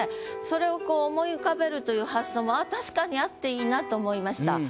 それをこう思い浮かべるという発想も確かにあっていいなと思いました。